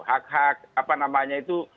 hak hak apa namanya itu